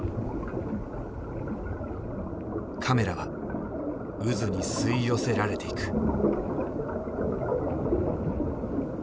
カメラは渦に吸い寄せられていく。